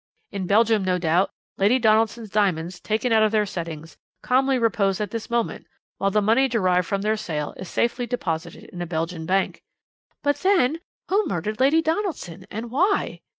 In Belgium, no doubt, Lady Donaldson's diamonds, taken out of their settings, calmly repose at this moment, while the money derived from their sale is safely deposited in a Belgian bank." "But then, who murdered Lady Donaldson, and why?"